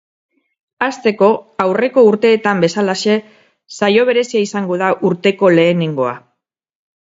Hasteko, aurreko urteetan bezalaxe, saio berezia izango da urteko lehenengoa.